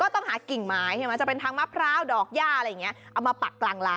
ต้องกินฝั่งกลางไม้